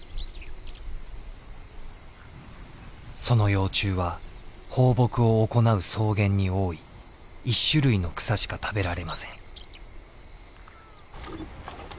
その幼虫は放牧を行う草原に多い１種類の草しか食べられません。